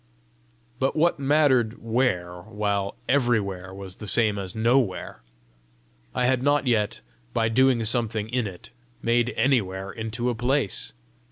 But what mattered WHERE while EVERYWHERE was the same as NOWHERE! I had not yet, by doing something in it, made ANYWHERE into a place!